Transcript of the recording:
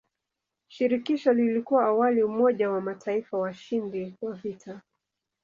Shirikisho lilikuwa awali umoja wa mataifa washindi wa vita.